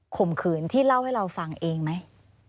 ข่มขืนที่เล่าให้เราฟังเองไหม